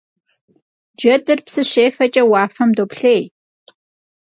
Cedır psı şêfeç'e vuafem doplhêy.